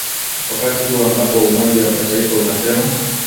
wakati huu ambapo Umoja wa Mataifa unasema